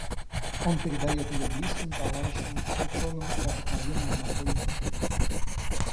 Он передает ее близким, товарищам, ученым и обыкновенно не находит сочувствия.